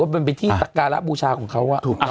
กลับมาเปิดให้เร็วซึ่งเขาบอกว่า